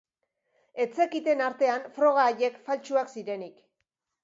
Ez zekiten, artean, froga haiek faltsuak zirenik.